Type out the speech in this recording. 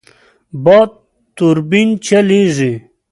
باد توربین چلېږي.